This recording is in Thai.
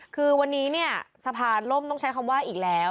คือวันนี้เนี่ยสะพานล่มต้องใช้คำว่าอีกแล้ว